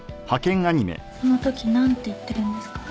「そのとき何て言ってるんですか？」